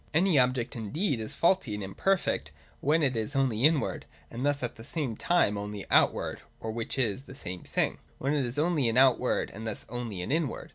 Any object indeed is faulty and imperfect when it is only inward, and thus at the same time only outward, or, (which is the same thing,) when it is only an outward and thus only an inward.